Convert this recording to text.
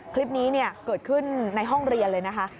คลิปนี้เกิดขึ้นในห้องเรียนเลยนะคะ